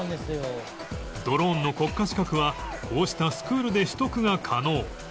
ドローンの国家資格はこうしたスクールで取得が可能